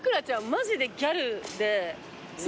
マジでギャルですごい。